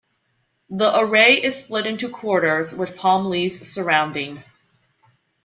The array is split into quarters with palm leaves surrounding.